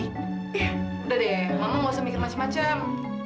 iya udah deh mama gak usah mikir macem macem